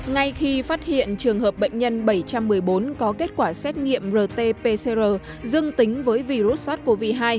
ngay khi phát hiện trường hợp bệnh nhân bảy trăm một mươi bốn có kết quả xét nghiệm rt pcr dương tính với virus sars cov hai